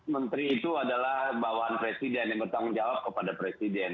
menteri itu adalah bawaan presiden yang bertanggung jawab kepada presiden